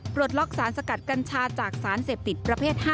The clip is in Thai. ล็อกสารสกัดกัญชาจากสารเสพติดประเภท๕